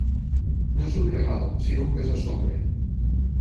No és un regal, sinó un pes a sobre.